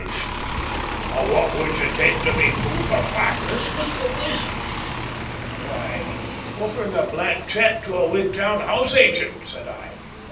Now what would you take to be a proof of madness, Mr. West?" "Why, offering a blank cheque to a Wigtown house agent," said I.